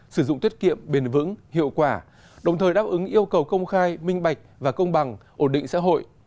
sử dụng tiết kiệm bền vững hiệu quả đồng thời đáp ứng yêu cầu công khai minh bạch và công bằng ổn định xã hội